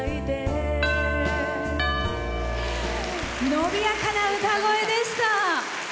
伸びやかな歌声でした。